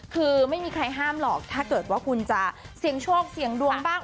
คือไม่มีใครห้ามหรอกถ้าเกิดว่าคุณจะเสี่ยงโชคเสี่ยงดวงบ้าง